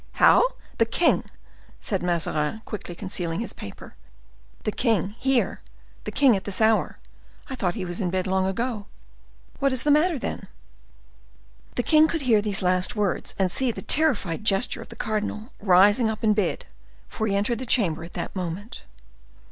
"How?—the king!" said Mazarin, quickly concealing his paper. "The king here! the king at this hour! I thought he was in bed long ago. What is the matter, then?" The king could hear these last words, and see the terrified gesture of the cardinal rising up in his bed, for he entered the chamber at that moment.